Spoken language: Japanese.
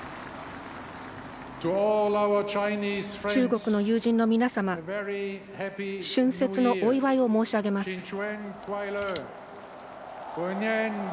中国の友人の皆様春節のお祝いを申し上げます。